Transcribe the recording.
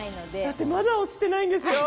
だってまだ落ちてないんですよ。